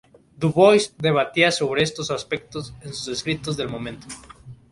Dubois debatía sobre estos aspectos en sus escritos del momento.